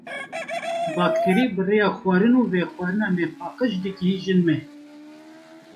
Bakterî bi rêya xwarin û vexwarina nepaqij digihêjin me.